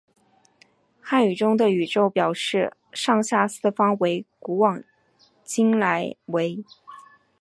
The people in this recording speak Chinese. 汉语中的宇宙表示上下四方为古往今来为。